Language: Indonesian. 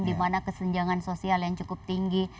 dimana kesenjangan sosial yang cukup tinggi